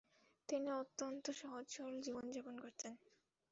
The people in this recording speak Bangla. তিনি অত্যন্ত সহজ সরল জীবনযাপন করতেন।